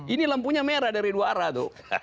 ini lampunya merah dari dua arah tuh